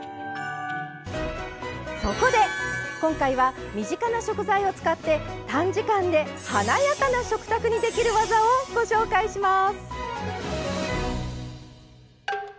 そこで今回は身近な食材を使って短時間で華やかな食卓にできる技をご紹介します。